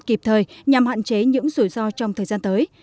kịp thời nhằm hạn chế những rủi ro trong thời gian tới